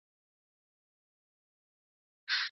په فتاوی بزازية کي راغلي دي.